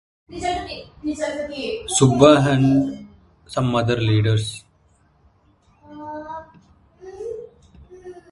Subba and some other leaders.